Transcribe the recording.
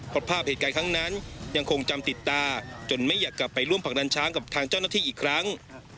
เพราะภาพเหตุการณ์ครั้งนั้นยังคงจำติดตาจนไม่อยากกลับไปร่วมผลักดันช้างกับทางเจ้าหน้าที่อีกครั้ง